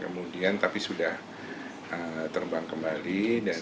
kemudian sudah terbang kembali